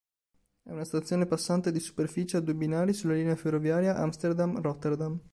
È una stazione passante di superficie a due binari sulla linea ferroviaria Amsterdam-Rotterdam.